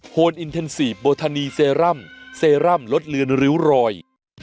นอินเทนซีฟโบทานีเซรั่มเซรั่มลดเลือนริ้วรอย